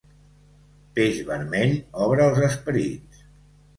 Peix vermell obre els esperits.